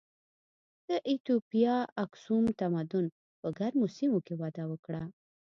د ایتوپیا اکسوم تمدن په ګرمو سیمو کې وده وکړه.